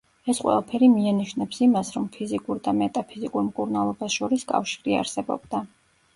ეს ყველაფერი მიანიშნებს იმას, რომ ფიზიკურ და მეტაფიზიკურ მკურნალობას შორის კავშირი არსებობდა.